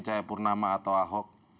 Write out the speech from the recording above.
cahaya purnama atau ahok